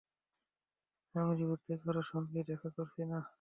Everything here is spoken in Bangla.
আমি রিওতে কারো সঙ্গেই দেখা করছি না।